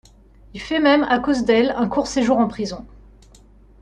Il fait même, à cause d'elle, un court séjour en prison.